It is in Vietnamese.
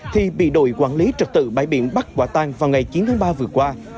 thì bị đội quản lý trật tự bãi biển bắt quả tan vào ngày chín tháng ba vừa qua